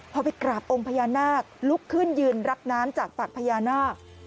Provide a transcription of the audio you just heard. พอไปกราบองค์พญานาคลุกขึ้นยืนรับน้ำจากปากพญานาค